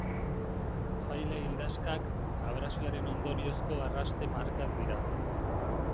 Faila-ildaskak, abrasioaren ondoriozko arraste-markak dira.